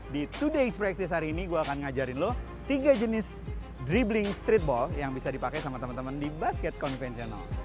di ⁇ todays ⁇ practice hari ini gue akan ngajarin lo tiga jenis dribbling streetball yang bisa dipakai sama teman teman di basket konvensional